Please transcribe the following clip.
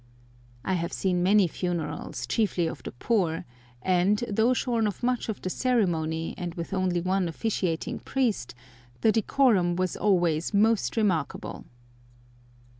[I have since seen many funerals, chiefly of the poor, and, though shorn of much of the ceremony, and with only one officiating priest, the decorum was always most remarkable.